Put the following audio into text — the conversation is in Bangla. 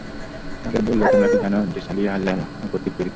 তাদের বলল, তোমরা কি জান যে, সালিহ্ আল্লাহ্ কর্তৃক প্রেরিত?